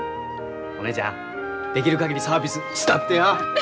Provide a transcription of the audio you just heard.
お姉ちゃんできる限りサービスしたってや。